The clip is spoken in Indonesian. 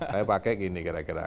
saya pakai gini kira kira